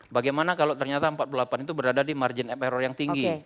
bagaimana kalau ternyata empat puluh delapan itu berada di margin of error yang tinggi